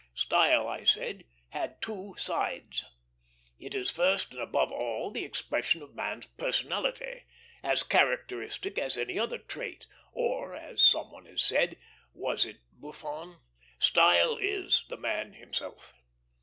Style, I said, has two sides. It is first and above all the expression of a man's personality, as characteristic as any other trait; or, as some one has said was it Buffon? style is the man himself.